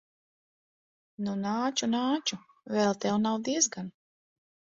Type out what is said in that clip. Nu, nāču, nāču. Vēl tev nav diezgan.